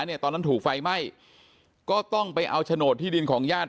เนี่ยตอนนั้นถูกไฟไหม้ก็ต้องไปเอาโฉนดที่ดินของญาติ